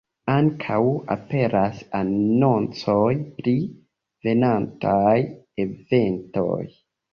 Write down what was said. Ankaŭ aperas anoncoj pri venontaj eventoj.